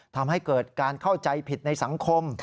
ทำให้เกิดการเข้าใจผิดในสังคม